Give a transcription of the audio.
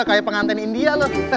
kayak pengantin india